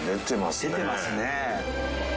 ・出てますね。